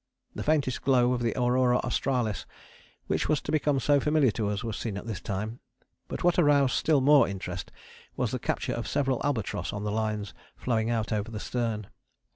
The faintest glow of the Aurora Australis which was to become so familiar to us was seen at this time, but what aroused still more interest was the capture of several albatross on the lines flowing out over the stern.